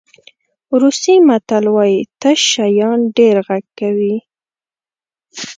روسي متل وایي تش شیان ډېر غږ کوي.